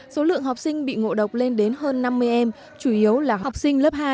số lượng học sinh bị ngộ độc lên đến hơn năm mươi em chủ yếu là học sinh lớp hai